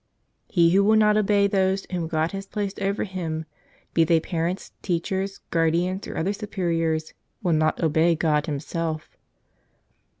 "He who will not obey those whom God has placed over him, be they parents, teachers, guardians, or other superiors, will not obey God Himself."